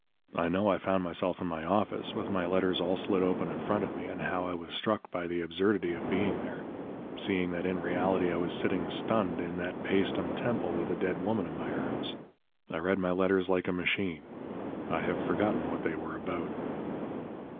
I know I found myself in my office, with my letters all slit open in front of me, and how I was struck by the absurdity of being there, seeing that in reality I was sitting, stunned, in that Paestum temple with a dead woman in my arms. I read my letters like a machine. I have forgotten what they were about."